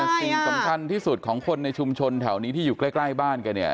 สิ่งสำคัญที่สุดของคนในชุมชนแถวนี้ที่อยู่ใกล้บ้านแกเนี่ย